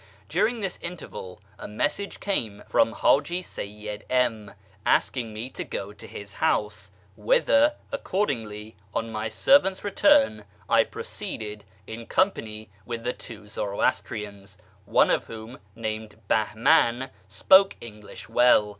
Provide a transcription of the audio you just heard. During this interval a message came from Hiiji Seyyid M , asking me to go to his house, whither, accordingly, on my servant's return, I proceeded in company with the two Zoroastrians, one of whom, named Bahman, spoke English well.